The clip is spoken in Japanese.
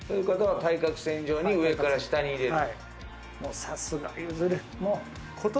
対角線上に上から下に入れる。